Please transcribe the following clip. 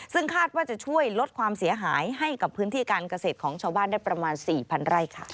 ซึ่งคาดว่าจะช่วยลดความเสียหายให้กับพื้นที่การเกษตรของชาวบ้านได้ประมาณ๔๐๐ไร่ค่ะ